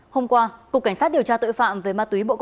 hôm qua cục cảnh sát điều tra tội phạm về ma túy bộ công an